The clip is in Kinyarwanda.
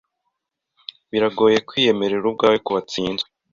Biragoye kwiyemerera ubwawe ko watsinzwe.